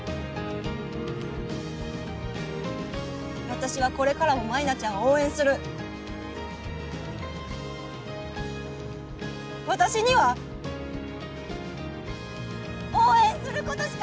私はこれからも舞菜ちゃんを応援する私には応援することしかできないから！